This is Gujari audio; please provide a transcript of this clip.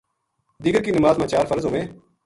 دیگر کی نماز ما چار فرض ہوویں۔